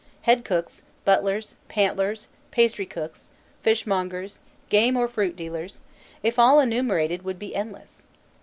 Head cooks, butlers, pantlers, pastrycooks, fishmongers, game or fruit dealers if all enumerated, would be endless.